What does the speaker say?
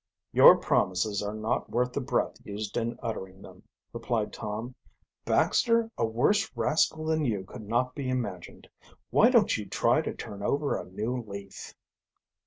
"Your promises are not worth the breath used in uttering them," replied Tom. "Baxter, a worse rascal than you could not be imagined. Why don't you try to turn over a new leaf?"